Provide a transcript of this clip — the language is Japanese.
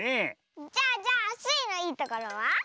じゃあじゃあスイのいいところは？